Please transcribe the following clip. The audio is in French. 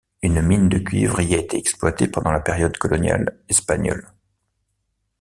Une mine de cuivre y a été exploitée pendant la période coloniale espagnole.